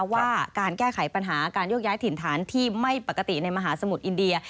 ว่าการแก้ไขปัญหาการโยกย้ายถิ่นฐานที่ไม่ปกติในมหาสมุทรอินเดีย